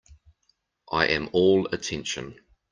I am all attention.